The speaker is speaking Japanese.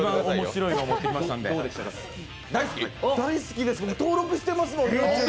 大好きです、登録してますもん。